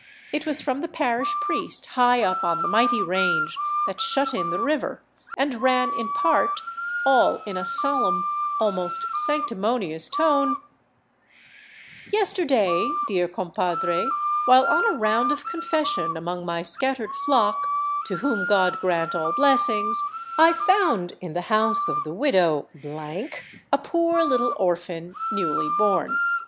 It was from the parish priest high up on the mighty range that shut in the river, and ran in part, all in a solemn, almost sanctimonious tone: " Yesterday, dear compadre, while on a round of confession among my scattered flock, to whom God grant all blessings, I found in the house of the widow a poor little orphan, newly born.